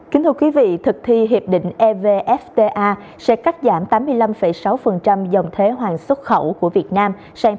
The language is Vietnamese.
kính thưa quý vị thực thi hiệp định evfda sẽ cắt giảm tám mươi năm sáu dòng thế hoàng xuất khẩu của việt nam